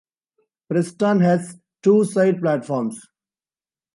Preston has two side platforms.